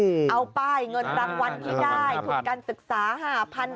เอาป้ายเงินปรังวัลที่ได้ถุงการศึกษาหาพันธุ์